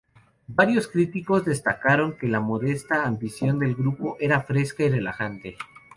Varios críticos destacaron que la modesta ambición del grupo era fresca y relajante.